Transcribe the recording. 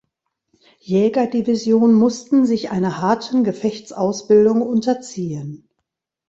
Jäger-Division mussten sich einer harten Gefechtsausbildung unterziehen.